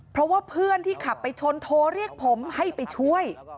เพราะว่าเพื่อนที่ขับไปชนโทรเรียกผมให้ไปช่วย